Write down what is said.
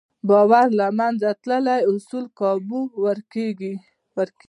باور له منځه تللی، اصول کابو ورکېږي.